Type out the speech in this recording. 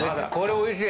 おいしい！